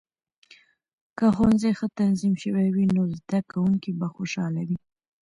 که ښوونځي ښه تنظیم شوي وي، نو زده کونکې به خوشاله وي.